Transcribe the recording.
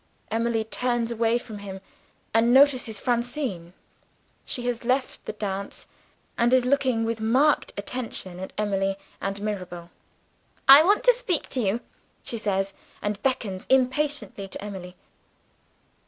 Emily turns away from him, and notices Francine. She has left the dance, and is looking with marked attention at Emily and Mirabel. "I want to speak to you," she says, and beckons impatiently to Emily.